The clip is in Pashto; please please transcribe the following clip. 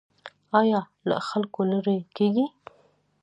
ایا له خلکو لرې کیږئ؟